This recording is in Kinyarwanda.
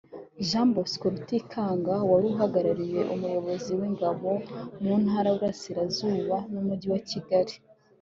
Jean Bosco Rutikanga wari uhagarariye umuyobozi w’ingabo mu Ntara y’Iburasirazuba n’Umujyi wa Kigali